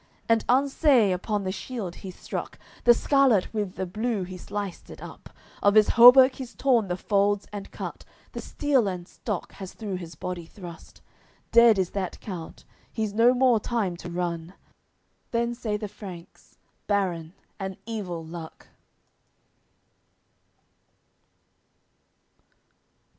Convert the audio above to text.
And Anseis upon the shield he struck, The scarlat with the blue he sliced it up, Of his hauberk he's torn the folds and cut, The steel and stock has through his body thrust. Dead is that count, he's no more time to run. Then say the Franks: "Baron, an evil luck!"